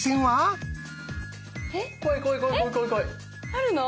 あるの？